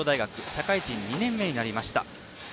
社会人２年目になりました。